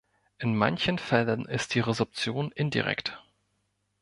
In manchen Fällen ist die Resorption indirekt.